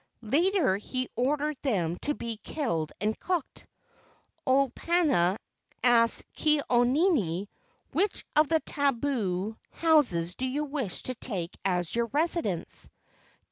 Later he ordered them to be killed and cooked. Olopana asked Ke au nini, " Which of the tabu houses do you wish to take as your residence?"